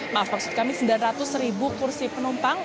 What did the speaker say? maaf maksud kami sembilan ratus ribu kursi penumpang